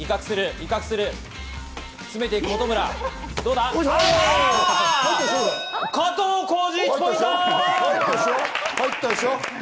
入ったっしょ？